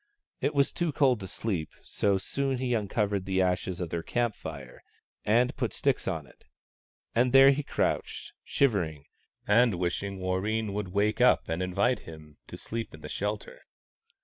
It was too cold to sleep, so he soon uncovered the ashes of their camp fire, and put sticks on it ; and there he crouched, shivering, and wishing Warreen would wake up and invite him to sleep in the shelter.